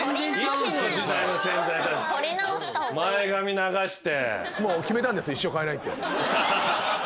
前髪流して。